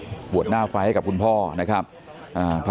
ลูกชายวัย๑๘ขวบบวชหน้าไฟให้กับพุ่งชนจนเสียชีวิตแล้วนะครับ